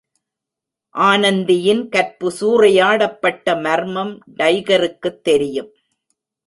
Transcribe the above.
ஆனந்தியின் கற்பு சூறையாடப்பட்ட மர்மம் டைகருக்குத் தெரியும்.